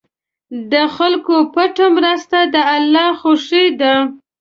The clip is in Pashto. د خلکو پټه مرسته د الله خوښي ده.